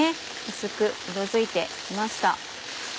薄く色づいて来ました。